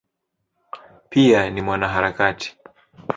Pia ni mwanaharakati.